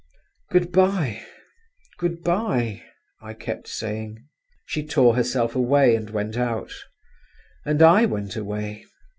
"Good bye, good bye," I kept saying … She tore herself away, and went out. And I went away.